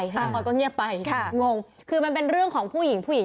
เสียรงี